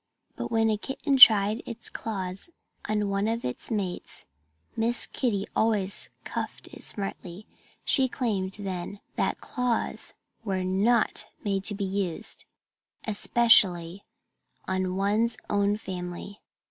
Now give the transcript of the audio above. But when a kitten tried its claws on one of its mates Miss Kitty always cuffed it smartly. She claimed, then, that claws were not made to be used especially on one's own family.